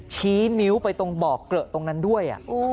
ชี้นิ้วไปตรงบ่อเกลอะตรงนั้นด้วย